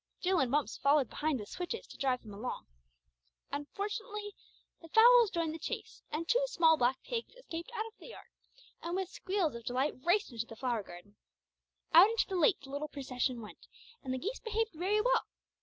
Jill and Bumps followed behind with switches to drive them along. Unfortunately, the fowls joined the chase, and two small black pigs escaped out of the yard and with squeals of delight raced into the flower garden. Out into the lane the little procession went, and the geese behaved very well.